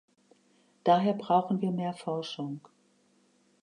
Daher brauchen wir mehr Forschung.